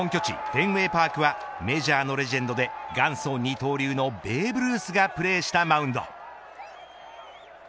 フェンウェイパークはメジャーのレジェンドで元祖二刀流のベーブ・ルースがプレーしたマウンド。